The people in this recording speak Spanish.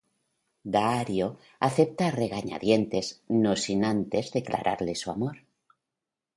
Daario acepta a regañadientes, no sin antes declararle su amor.